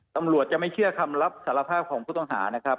ตำรวจจะไม่เชื่อคำรับสารภาพของผู้ต้องหานะครับ